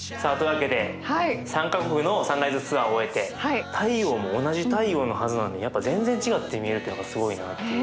わけで３か国のサンライズツアーを終えて太陽も同じ太陽のはずなのに全然違って見えるっていうのがすごいなって。